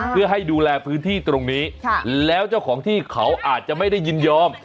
เพื่อให้ดูแลพื้นที่ตรงนี้แล้วเจ้าของที่เขาอาจจะไม่ได้ยินยอม